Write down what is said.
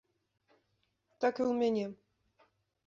Так і ў мяне.